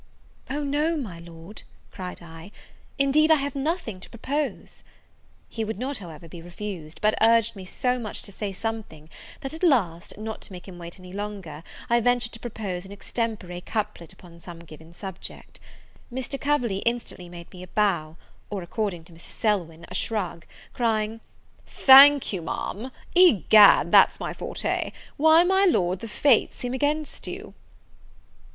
"O no, my Lord," cried I; "indeed I have nothing to propose." He would not, however, be refused; but urged me so much to say something, that at last, not to make him wait any longer, I ventured to propose an extempore couplet upon some given subject. Mr. Coverley instantly made me a bow, or, according to Mrs. Selwyn, a shrug, crying, "Thank you, Ma'am; egad, that's my forte! why, my Lord, the Fates seem against you."